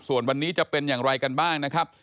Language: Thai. ส่วนวันนี้จะเป็นอย่างไรกันบ้างนะครับ